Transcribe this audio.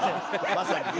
まさにね。